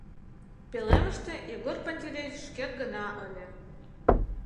Пӧлемыште Егор Пантелеич шкет гына ыле.